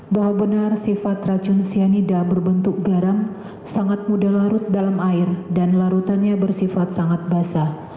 bahwa benar sifat racun cyanida berbentuk garam sangat mudah larut dalam air dan larutannya bersifat sangat basah